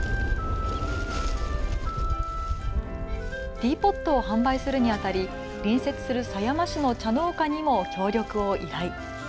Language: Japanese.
ティーポットを販売するにあたり隣接する狭山市の茶農家にも協力を依頼。